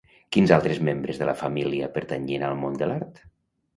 Quins altres membres de la família pertanyien al món de l'art?